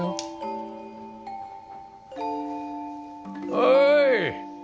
おい！